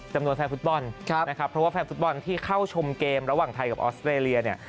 แฟนฟุตบอลนะครับเพราะว่าแฟนฟุตบอลที่เข้าชมเกมระหว่างไทยกับออสเตรเลียเนี่ย